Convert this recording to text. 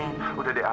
ya aku juga